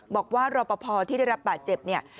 บอกว่ารอปภที่ได้รับบาดเจ็บเนี่ย